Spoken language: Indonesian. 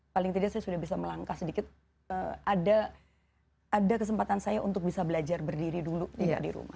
paling tidak saya sudah bisa melangkah sedikit ada kesempatan saya untuk bisa belajar berdiri dulu tidak di rumah